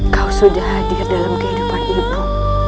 kau sudah hadir dalam kehidupan ibu